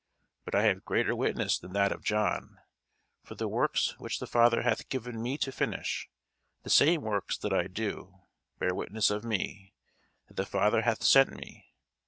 But I have greater witness than that of John: for the works which the Father hath given me to finish, the same works that I do, bear witness of me, that the Father hath sent me.